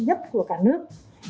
giúp của cả nước